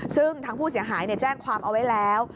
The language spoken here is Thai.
ซึ่งทางผู้เสียหายแจ้งความเอาไว้แล้ว